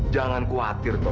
jangan khawatir taro